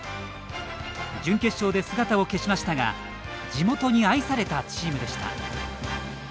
準決勝で姿を消しましたが地元に愛されたチームでした。